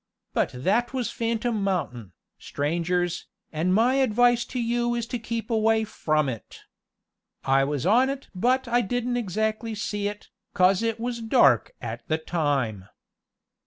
But that was Phantom Mountain, strangers, an' my advice to you is to keep away from it. I was on it but I didn't exactly see it, 'cause it was dark at the time."